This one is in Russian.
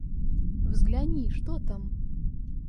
Взгляни, что там!